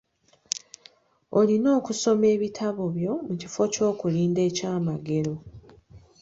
Olina okusoma ebitabo byo mu kifo ky'okulinda ekyamagero.